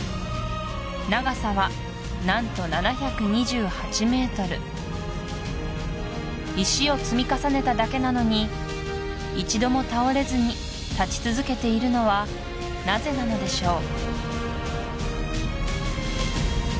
長さは何と７２８ｍ石を積み重ねただけなのに一度も倒れずに立ち続けているのはなぜなのでしょう？